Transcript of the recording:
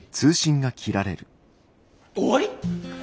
え終わり！？